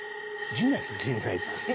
陣内さん。